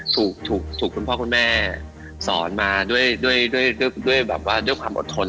ถูกคุณพ่อคุณแม่สอนมาด้วยความอดทน